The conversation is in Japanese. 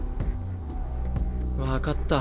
分かった。